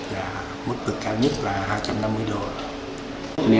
và mức tược cao nhất là hai trăm năm mươi đô